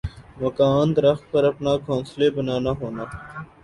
مکان درخت پر اپنا گھونسلے بننا ہونا